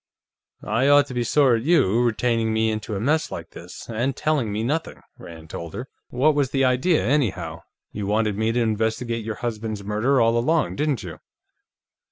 "I ought to be sore at you, retaining me into a mess like this and telling me nothing," Rand told her. "What was the idea, anyhow? You wanted me to investigate your husband's murder, all along, didn't you?"